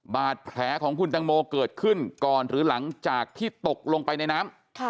บาดแผลของคุณตังโมเกิดขึ้นก่อนหรือหลังจากที่ตกลงไปในน้ำ